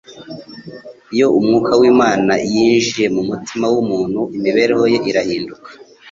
Iyo Umwuka w'Imana yinjiye mu mutima w'umuntu imibereho ye irahinduka.